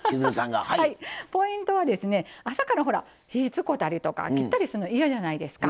ポイントは朝から火を使うたりとか切ったりするの嫌じゃないですか。